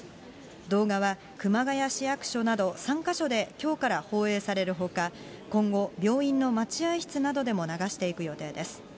動画は熊谷市役所など３か所で、きょうから放映されるほか、今後、病院の待合室などでも流していく予定です。